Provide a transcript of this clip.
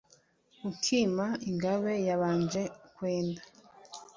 ukima ingabe yabanje kwenda